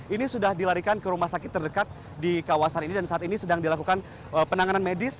ini sudah dilarikan ke rumah sakit terdekat di kawasan ini dan saat ini sedang dilakukan penanganan medis